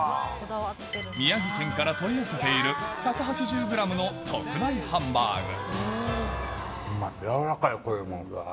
宮城県から取り寄せている１８０ｇの特大ハンバーグうまい。